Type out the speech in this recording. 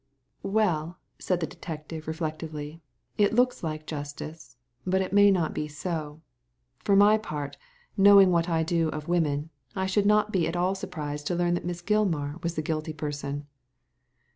"Well," said the detective, reflectively, ''it looks like justice; but it may not be so. For my part, knowing what I do of women, I should not be at all surprised to learn that Miss Gilmar was the guilty person."